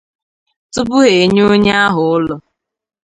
tupu ha enye onye ahụ ụlọ